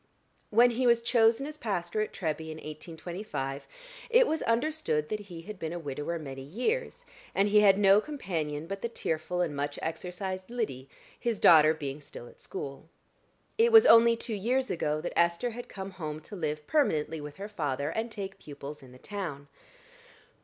When he was chosen as pastor at Treby in 1825, it was understood that he had been a widower many years, and he had no companion but the tearful and much exercised Lyddy, his daughter being still at school. It was only two years ago that Esther had come home to live permanently with her father, and take pupils in the town.